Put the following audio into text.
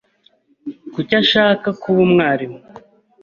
Kuki ashaka kuba umwarimu?